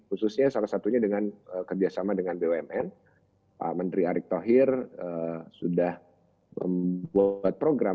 khususnya salah satunya dengan kerjasama dengan bumn pak menteri erick thohir sudah membuat program